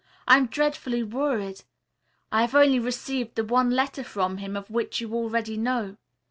I am dreadfully worried. I have only received the one letter from him of which you already know.